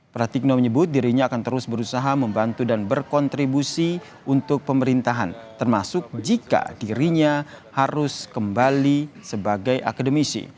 pratikno menyebut dirinya akan terus berusaha membantu dan berkontribusi untuk pemerintahan termasuk jika dirinya harus kembali sebagai akademisi